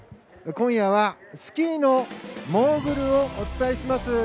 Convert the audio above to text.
今夜はスキーのモーグルをお伝えします。